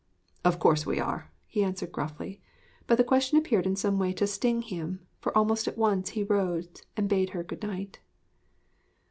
'Of course we are,' he answered gruffly; but the question appeared in some way to sting him, for almost at once he rose and bade her good night.